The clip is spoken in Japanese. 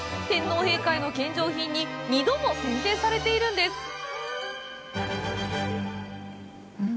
天皇陛下への献上品に２度も選定されているんです。